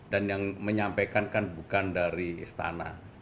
dan yang menyampaikan kan bukan dari istana